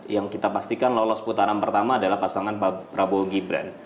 yang kita pastikan lolos putaran pertama adalah pasangan pak prabowo gibran